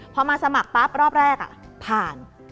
พอมาสมัครปั๊บรอบแรกผ่าน